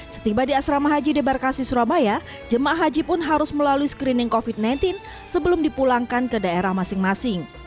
setiba di asrama haji debarkasi surabaya jemaah haji pun harus melalui screening covid sembilan belas sebelum dipulangkan ke daerah masing masing